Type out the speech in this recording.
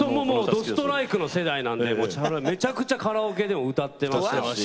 ドストライクの世代なんでめちゃくちゃカラオケでも歌ってました。